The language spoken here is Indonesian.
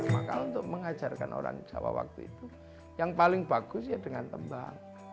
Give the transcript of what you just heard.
maka untuk mengajarkan orang jawa waktu itu yang paling bagus ya dengan tembang